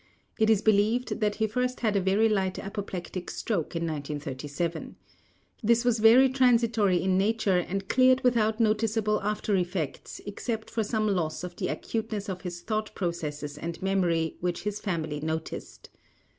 It is believed that he first had a very light apoplectic stroke in 1937. This was very transitory in nature and cleared without noticeable aftereffects except for some loss of the acuteness of his thought processes and memory which his family noticed.